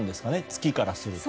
月からすると。